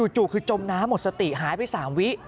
จู่คือจมน้ำหมดสติหายไป๓วิ